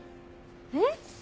えっ？